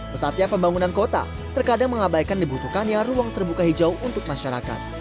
pesatnya pembangunan kota terkadang mengabaikan dibutuhkannya ruang terbuka hijau untuk masyarakat